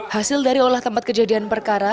hasil dari olah tempat kejadian perkara